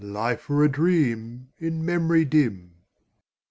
Life were a dream, in memory dim.